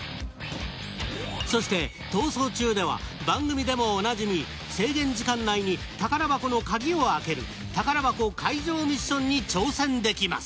そして「逃走中」では番組でもおなじみ制限時間内に宝箱の鍵を開ける宝箱開錠ミッションに挑戦できます。